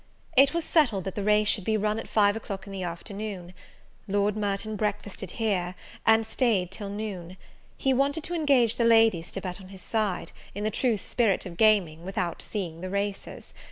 It was settled that the race should be run at five o'clock in the afternoon. Lord Merton breakfasted here, and staid till noon. He wanted to engage the ladies to bet on his side, in the true spirit of gaming, without seeing the racers.